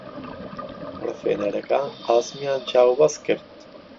ڕفێنەرەکان قاسمیان چاوبەست کرد.